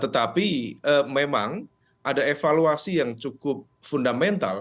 tetapi memang ada evaluasi yang cukup fundamental